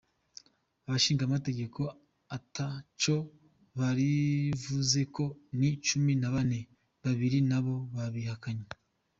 Abashingamateka ata co barivuzeko ni cumi na bane, babiri na bo babihakanye.